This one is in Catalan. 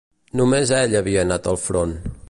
Només ell havia anat al front.